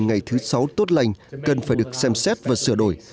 ngày thứ sáu tốt lành cần phải được xem xét và sửa đổi